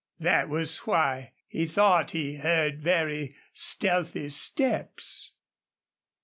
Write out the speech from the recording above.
That was why he thought he heard very stealthy steps.